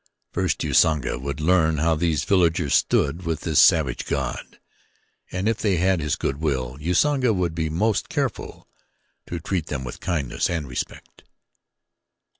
First Usanga would learn how these villagers stood with this savage god and if they had his good will Usanga would be most careful to treat them with kindness and respect.